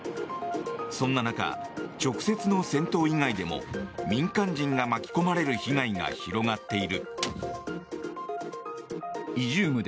そんな中、直接の戦闘以外でも民間人が巻き込まれる被害が広がっている。